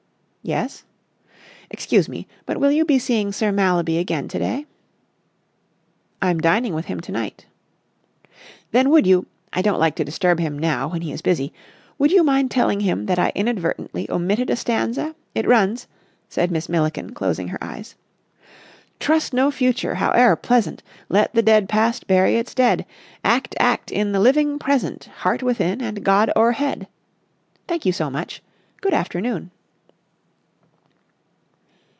"Yes?" "Excuse me, but will you be seeing Sir Mallaby again to day?" "I'm dining with him to night." "Then would you—I don't like to disturb him now, when he is busy—would you mind telling him that I inadvertently omitted a stanza? It runs," said Miss Milliken, closing her eyes, "'Trust no future, howe'er pleasant! Let the dead past bury its dead! Act, act, in the living present, Heart within and God o'erhead!' Thank you so much. Good afternoon."